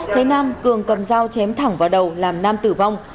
thế nam cường cầm dao chém thẳng vào đầu làm nam tử vong